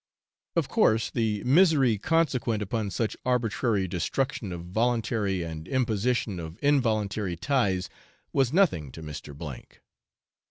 Of course, the misery consequent upon such arbitrary destruction of voluntary and imposition of involuntary ties was nothing to Mr. K